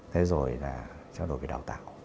thế rồi là trao đổi về đào tạo